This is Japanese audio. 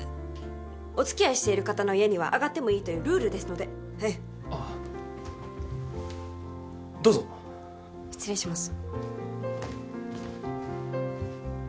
お付き合いしている方の家には上がってもいいというルールですのでええああどうぞ失礼します